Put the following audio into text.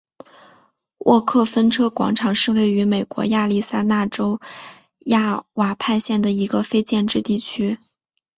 沃克风车广场是位于美国亚利桑那州亚瓦派县的一个非建制地区。